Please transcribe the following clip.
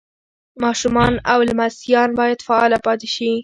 ماشومان او لمسیان باید فعاله پاتې شي.